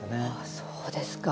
そうですか。